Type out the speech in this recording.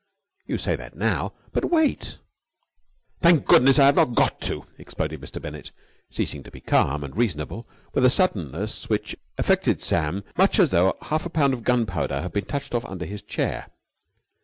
"You say that now, but wait!" "And thank goodness I have not got to!" exploded Mr. Bennett, ceasing to be calm and reasonable with a suddenness which affected Sam much as though half a pound of gunpowder had been touched off under his chair.